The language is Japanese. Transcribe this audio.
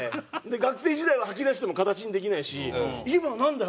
学生時代は吐き出しても形にできないし今なんだよ？